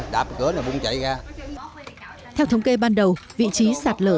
tất cả những căn nhà đều bị giặt lở